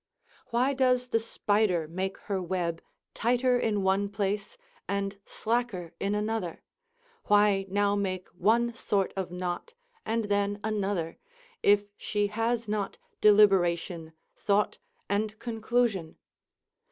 Why does the spider make her web tighter in one place, and slacker in another; why now make one sort of knot, and then another, if she has not deliberation, thought, and conclusion?